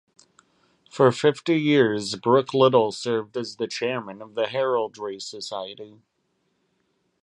For fifty years, Brooke-Little served as the chairman of The Heraldry Society.